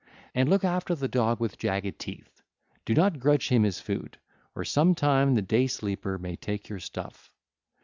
And look after the dog with jagged teeth; do not grudge him his food, or some time the Day sleeper 1329 may take your stuff.